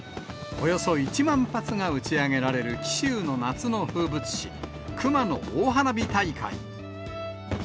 およそ１万発が打ち上げられる紀州の夏の風物詩、熊野大花火大会。